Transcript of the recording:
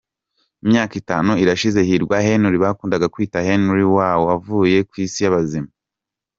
Imyaka itanu irashize Hirwa Henry bakundaga kwita Henry Wow avuye ku isi y’abazima.